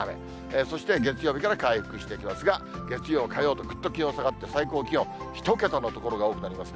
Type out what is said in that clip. そして月曜日から回復してきますが、月曜、火曜とぐっと気温下がって、最高気温、１桁の所が多くなりますね。